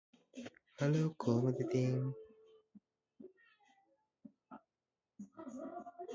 Previously stagnant, the three Zones are now filled with enquiry, inspiration and renewal.